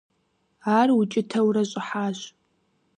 Ар укӀытэурэ щӀыхьащ.